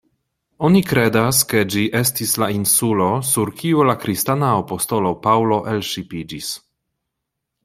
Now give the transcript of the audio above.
Oni kredas ke ĝi estis la insulo sur kiu la kristana apostolo Paŭlo elŝipiĝis.